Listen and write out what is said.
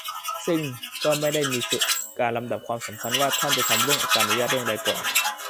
ซึ่งก็ไม่ได้มีการลำดับความสำคัญ ว่าท่านจะทำเรื่องการอนุญาตเรื่องใดก่อน